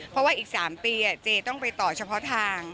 เพราะว่าอีก๓ปีเจต้องไปต่อเฉพาะทาง